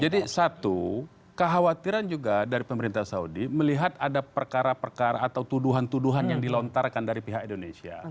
jadi satu kekhawatiran juga dari pemerintah saudi melihat ada perkara perkara atau tuduhan tuduhan yang dilontarkan dari pihak indonesia